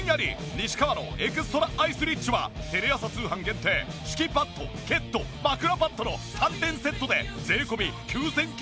西川のエクストラアイスリッチはテレ朝通販限定敷きパッドケット枕パッドの３点セットで税込９９８０円。